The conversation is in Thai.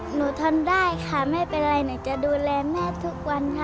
ทนได้ค่ะไม่เป็นไรหนูจะดูแลแม่ทุกวันค่ะ